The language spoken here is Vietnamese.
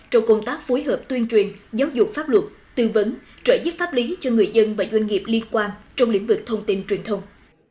trong công tác phối hợp tuyên truyền giáo dục pháp luật tư vấn trợ giúp pháp lý cho người dân và doanh nghiệp liên quan trong lĩnh vực thông tin truyền thông